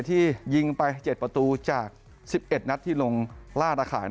ที่ยิงไป๗ประตูจาก๑๑นัดที่ลงลาดอาคาร